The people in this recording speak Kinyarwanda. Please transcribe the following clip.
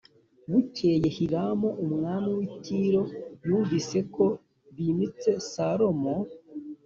Bukeye Hiramu umwami w’i Tiro yumvise ko bimitse Salomo